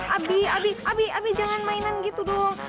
abi abi jangan mainan gitu dong